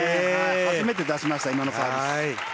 初めて出しました、今のサーブ。